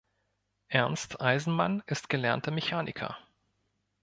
Ernst Eisenmann ist gelernter Mechaniker.